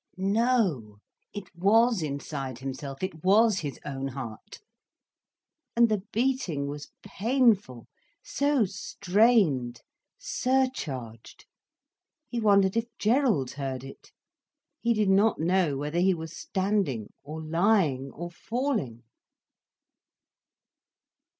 No, it was inside himself, it was his own heart. And the beating was painful, so strained, surcharged. He wondered if Gerald heard it. He did not know whether he were standing or lying or falling.